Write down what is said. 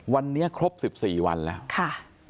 วันนี้ครบ๑๔วันแล้วค่ะ